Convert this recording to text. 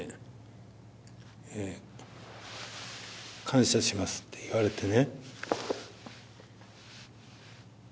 感謝しますって言われてね。